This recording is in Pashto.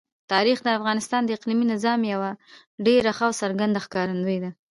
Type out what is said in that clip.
تاریخ د افغانستان د اقلیمي نظام یوه ډېره ښه او څرګنده ښکارندوی ده.